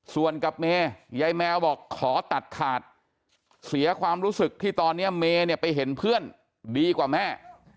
ส่วนกับเมยายแมวบอกขอตัดขาดเสียความรู้สึกที่ตอนนี้เมย์เนี่ยไปเห็นเพื่อนดีกว่าแม่